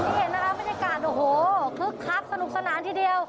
เห็นนะคะบรรยากาศโอ้โหคึกคักสนุกสนานทีเดียว